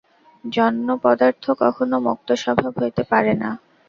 জন্যপদার্থ কখনও মুক্তস্বভাব হইতে পারে না।